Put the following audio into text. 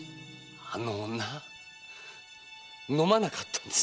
あの女飲まなかったんです！